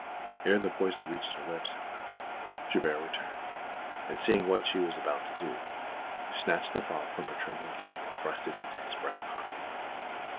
Ere the poison reached her lips, however, Chabert returned, and seeing what she was about to do, snatched the phial from her trembling hand and thrust it into his breast pocket.